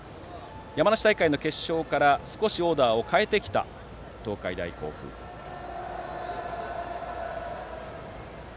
山梨大会の決勝から少しオーダーを変えてきた東海大甲府です。